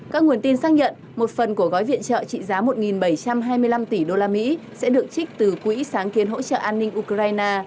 các nguồn tin xác nhận một phần của gói viện trợ trị giá một bảy trăm hai mươi năm tỷ usd sẽ được trích từ quỹ sáng kiến hỗ trợ an ninh ukraine